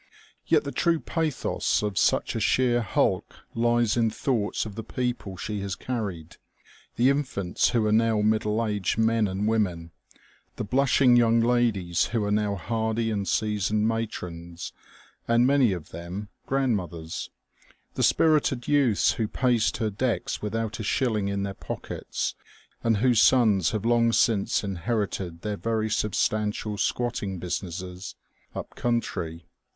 Yet the true pathos of such a sheer hulk lies in thoughts of the people she has carried ; the infants who are now middle aged men and women ; the blushing young ladies who are now hardy and seasoned matrons and^ many of them, grandmothers ; the spirited youths who paced her decks without a shilling in their pockets, and whose sons have long since inherited their very substantial squatting businesses up country.